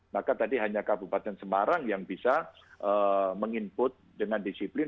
maka tadi hanya kabupaten semarang yang bisa meng input dengan disiplin